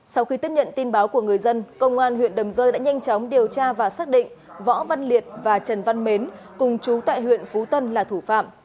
sau khi tiếp nhận tin báo của người dân công an huyện đầm rơi đã nhanh chóng điều tra và xác định võ văn liệt và trần văn mến cùng chú tại huyện phú tân là thủ phạm